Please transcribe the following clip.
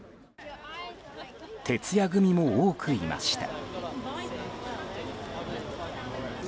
徹夜組も多くいました。